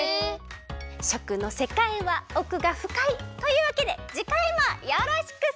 食のせかいはおくがふかい！というわけでじかいもよろしく！